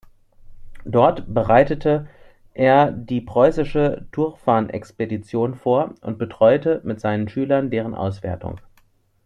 Dort bereitete er die preußische Turfan-Expeditionen vor und betreute mit seinen Schülern deren Auswertung.